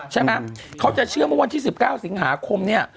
ใช่ไหมเขาจะเชื่อเมื่อวันที่๑๙สิงหาคมเนี่ย